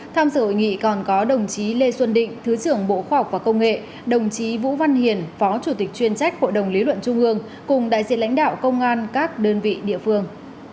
tham dự hội nghị còn có đồng chí lê xuân định thứ trưởng bộ khoa học và công nghệ đồng chí vũ văn hiền phó chủ tịch chuyên trách hội đồng lý luận trung ương cùng đại diện lãnh đạo công an các đơn vị địa phương